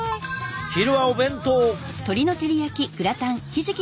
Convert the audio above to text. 昼はお弁当。